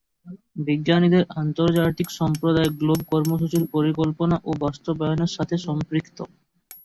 বিজ্ঞানীদের আন্তর্জাতিক সম্প্রদায় গ্লোব কর্মসূচির পরিকল্পনা ও বাস্তবায়নের সাথে সম্পৃক্ত।